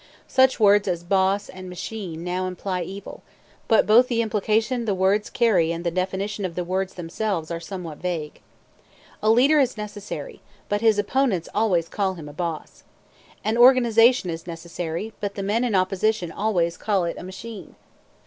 Such words as "boss" and "machine" now imply evil, but both the implication the words carry and the definition of the words themselves are somewhat vague. A leader is necessary; but his opponents always call him a boss. An organization is necessary; but the men in opposition always call it a machine.